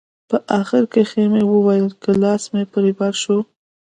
په اخر کښې مې وويل چې که لاس مې پر بر سو.